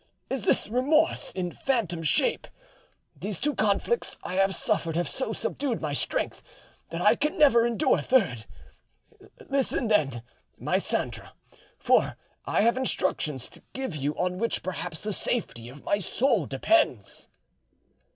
Is this remorse in phantom shape? These two conflicts I have suffered have so subdued my strength that I can never endure a third. Listen then, my Sandra, for I have instructions to give you on which perhaps the safety of my soul depends."